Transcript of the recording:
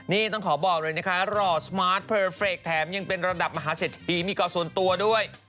นี่ต้องขอบอกเลยนะคะหล่อสมาร์ทเพอร์เฟรกแถมยังเป็นระดับมหาเศรษฐีมีก่อส่วนตัวด้วย